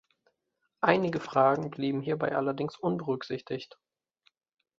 Einige Fragen blieben hierbei allerdings unberücksichtigt.